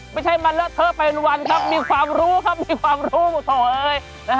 ไม่ใช่มันเลอะเทอะเป็นวันครับมีความรู้ครับมีความรู้มาตลอดเลย